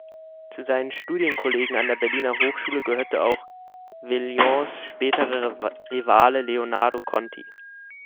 Zu seinen Studienkollegen an der Berliner Hochschule gehörte auch Villains späterer Rivale Leonardo Conti.